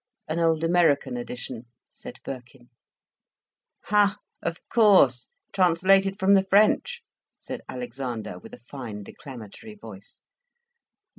"An old American edition," said Birkin. "Ha!—of course—translated from the French," said Alexander, with a fine declamatory voice.